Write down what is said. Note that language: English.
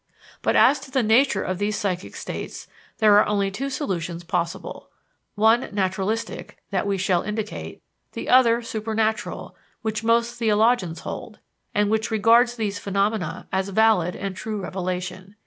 But as to the nature of these psychic states there are only two solutions possible one, naturalistic, that we shall indicate; the other, supernatural, which most theologians hold, and which regards these phenomena as valid and true revelation.